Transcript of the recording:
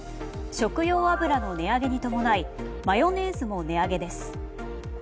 食用油の値上げに伴いマヨネーズも値上げです。